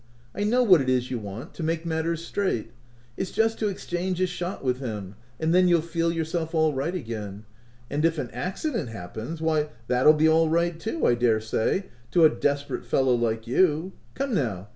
I know what it is you want, to make matters straight : it's just to exchange a shot with him, and then you'll feel yourself all right again ; and if an accident happens — why, that'll be all right too, I dare say, to a desperate fellow r like you. — Come now